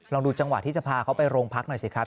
ดูจังหวะที่จะพาเขาไปโรงพักหน่อยสิครับ